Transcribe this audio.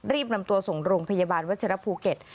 รีบนำตัวส่งโรงพยาบาลวัชรภูเก็ต